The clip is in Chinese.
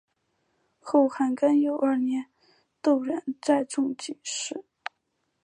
后汉干佑二年窦偁中进士。